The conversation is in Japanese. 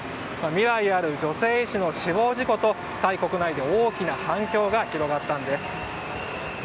未来ある女性医師の死亡事故とタイ国内で大きな反響が広がったんです。